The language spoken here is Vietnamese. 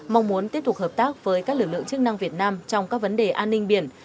mong muốn tiếp tục hợp tác với các lực lượng chức năng việt nam trong các vấn đề an ninh biển